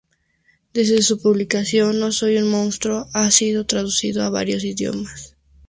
Desde su publicación, No soy un monstruo ha sido traducido a varios idiomas.